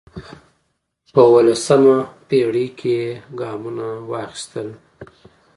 په اوولسمه پېړۍ کې یې ګامونه واخیستل